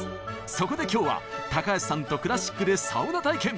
そこで今日は高橋さんとクラシックでサウナ体験！